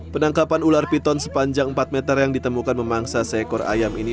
penangkapan ular piton sepanjang empat meter yang ditemukan memangsa seekor ayam ini